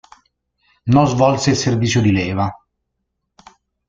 Non svolse il servizio di leva.